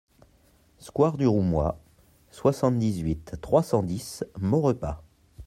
Square du Roumois, soixante-dix-huit, trois cent dix Maurepas